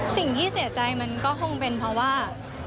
สิ่งที่เสียใจมันก็คงเป็นเพราะว่า